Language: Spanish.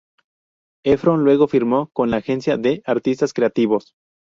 Efron luego firmó con la Agencia de Artistas Creativos.